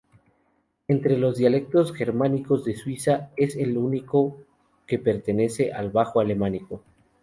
Entre los dialectos germánicos de Suiza, es el único que pertenece al bajo alemánico.